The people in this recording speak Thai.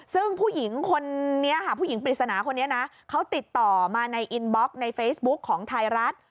ซึ่งผู้หญิงปริศนาคนนี้นะเขาติดต่อมาในอินบ็อกในเฟซบุ๊คของไทยรัฐ